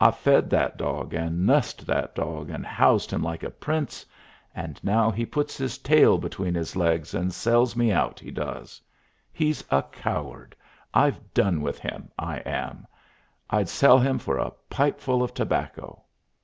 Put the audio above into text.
"I've fed that dog, and nussed that dog and housed him like a prince; and now he puts his tail between his legs and sells me out, he does. He's a coward! I've done with him, I am. I'd sell him for a pipeful of tobacco."